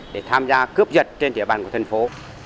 để tham gia cướp giật trên địa bàn của thành phố